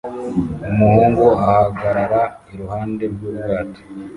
Umuntu ahagarara iruhande rw'ubwato